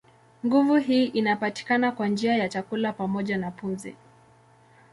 Nguvu hii inapatikana kwa njia ya chakula pamoja na pumzi.